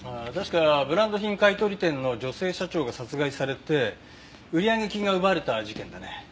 確かブランド品買取店の女性社長が殺害されて売上金が奪われた事件だね。